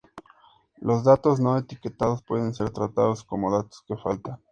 Los datos no etiquetados pueden ser tratados como 'datos que faltan'.